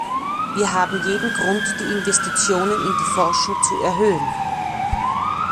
Wir haben jeden Grund, die Investitionen in die Forschung zu erhöhen.